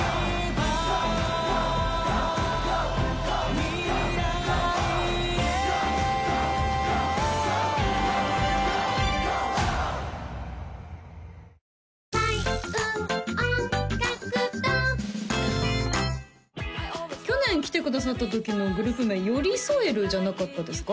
未来へ去年来てくださった時のグループ名ＹＯＲＩＳＯＥＲＵじゃなかったですか？